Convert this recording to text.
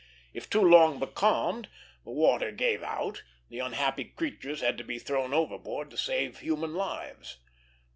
If too long becalmed, and water gave out, the unhappy creatures had to be thrown overboard to save human lives.